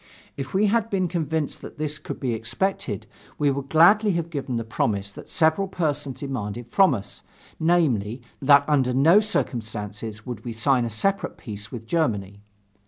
If we had been convinced that this could be expected, we would gladly have given the promise that several persons demanded from us, namely, that under no circumstances would we sign a separate peace with Germany.